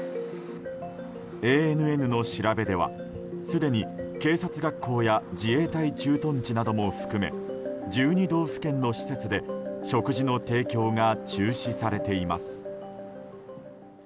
ＡＮＮの調べではすでに警察学校や自衛隊駐屯地なども含め１２道府県の施設で食事の提供が中止されています。